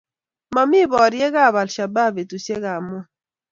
mamii boryekab Alshabaab betusiekab Moi